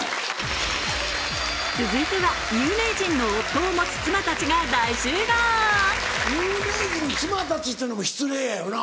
続いては「有名人の妻たち」というのも失礼やよな。